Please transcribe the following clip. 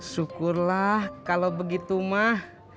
syukurlah kalau begitu mah